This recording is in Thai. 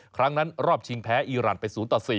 ครั้งนั้นรอบชิงแพ้อีรันไป๐ต่อ๔